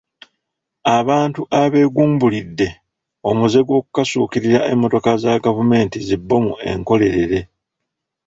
Abantu abeeguumbulidde omuze gw’okukasukira emmotoka za gavumenti zi bbomu enkolerere.